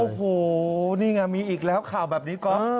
โอ้โหนี่ไงมีอีกแล้วข่าวแบบนี้ก๊อฟ